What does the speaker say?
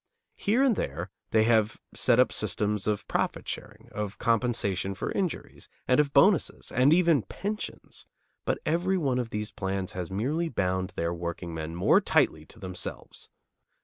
Here and there they have set up systems of profit sharing, of compensation for injuries, and of bonuses, and even pensions; but every one of these plans has merely bound their workingmen more tightly to themselves.